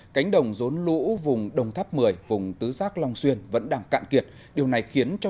cánh đồng rốn lũ vùng đồng tháp một mươi vùng tứ giác long xuyên vẫn đang cạn kiệt điều này khiến cho